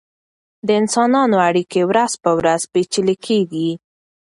د انسانانو اړیکې ورځ په ورځ پیچلې کیږي.